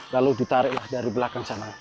lalu ditariklah dari belakang sana